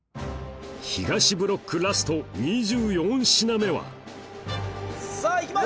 東ブロックラスト２４品目はさぁいきます！